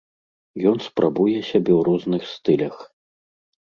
Ён спрабуе сябе ў розных стылях.